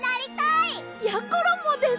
やころもです！